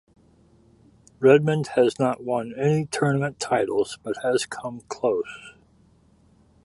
Redmond has not won any tournament titles but has come close.